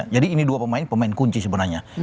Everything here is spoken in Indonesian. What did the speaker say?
jadi ini dua pemain pemain kunci sebenarnya